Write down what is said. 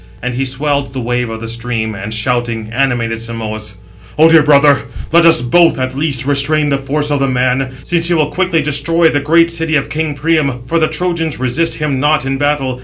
And he swelled the wave of the stream, and, shouting, animated Simoïs: "O dear brother, let us both, at least, restrain the force of the man, since he will quickly destroy the great city of king Priam, for the Trojans resist him not in battle.